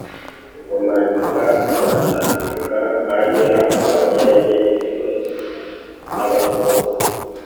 rumanyika rwa ndagara. kandi akaba yaragenderewe n'abazungu